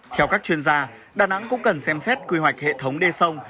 theo các chuyên gia đà nẵng cũng cần xem xét quy hoạch hệ thống đê sông